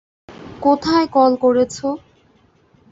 কোথায় কল করেছ?